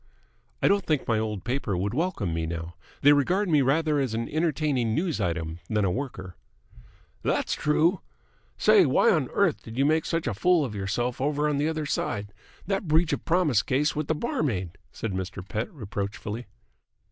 "I don't think my old paper would welcome me now. They regard me rather as an entertaining news item than a worker." "That's true. Say, why on earth did you make such a fool of yourself over on the other side? That breach of promise case with the barmaid!" said Mr. Pett reproachfully.